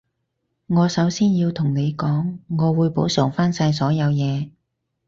我首先要同你講，我會補償返晒所有嘢